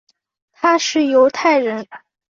他是犹太人。